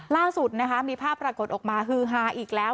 ล่าสุดนะคะมีภาพปรากฏออกมาฮือฮาอีกแล้ว